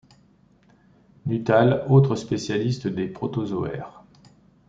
Nuttall, autre spécialiste des protozoaires.